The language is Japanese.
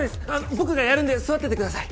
僕がやるんで座っててください！